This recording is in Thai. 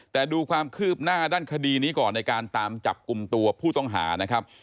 แต่ดูความคืบหน้าด้านคดีนี้ก่อนในการตามจับกลุ่มตัวผู้ต้องหานะครับ